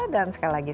dan sekali lagi